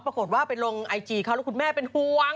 ปรากฏว่าไปลงไอจีเขาแล้วคุณแม่เป็นห่วง